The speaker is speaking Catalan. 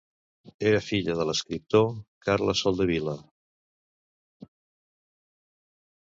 Era filla de l'escriptor Carles Soldevila.